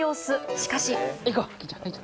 しかし。